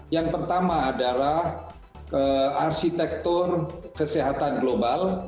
yang pertama adalah arsitektur kesehatan global